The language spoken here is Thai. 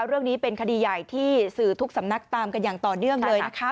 เรื่องนี้เป็นคดีใหญ่ที่สื่อทุกสำนักตามกันอย่างต่อเนื่องเลยนะคะ